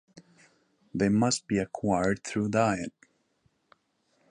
They must be acquired through diet.